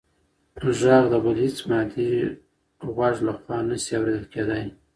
غږ د بل هېڅ مادي غوږ لخوا نه شي اورېدل کېدی.